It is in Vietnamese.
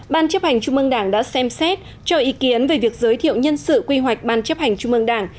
hai ban chấp hành chung mương đảng đã xem xét cho ý kiến về việc giới thiệu nhân sự quy hoạch ban chấp hành chung mương đảng